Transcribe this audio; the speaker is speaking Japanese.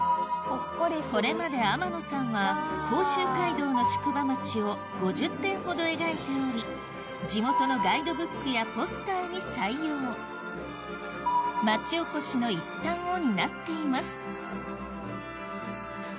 これまで天野さんは甲州街道の宿場町を５０点ほどを描いており地元のガイドブックやポスターに採用町おこしの一端を担っています